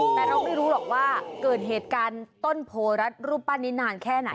แต่เราไม่รู้หรอกว่าเกิดเหตุการณ์ต้นโพรัฐรูปปั้นนี้นานแค่ไหน